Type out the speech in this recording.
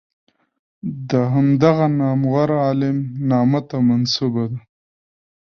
د همدغه نامور عالم نامه ته منسوبه ده.